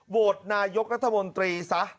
โหวตนายกรัฐมนตรีซะ